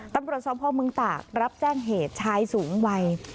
ตำรวจสมภาพเมืองตากรับแจ้งเหตุชายสูงวัย